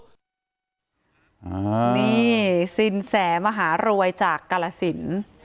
นี่สินแสมหารวยจากกาลสิน